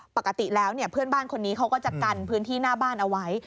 ปกติแล้วเนี่ยเพื่อนบ้านคนนี้เขาก็จะกันพื้นที่หน้าบ้านเอาไว้